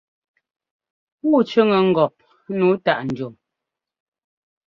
Pûu cʉ́ŋɛ ŋgɔp nǔu táʼ ndiɔn.